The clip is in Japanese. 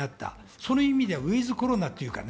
その意味ではｗｉｔｈコロナというかね。